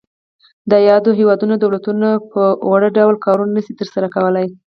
د یادو هیوادونو دولتونه په وړ ډول کارونه نشي تر سره کولای.